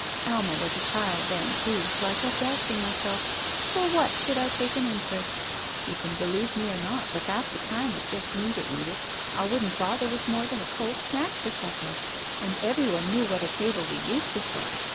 Alma was a child then, too, so I kept asking myself, 'For what should I take an interest ?' You can believe me or not, but half the time with just me to eat it, I wouldn't bother with more than a cold snack for supper, and everyone knew what a table we used to set.